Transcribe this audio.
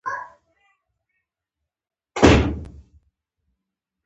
رڼا یواځې په آرام ذهن کې پاتې کېږي.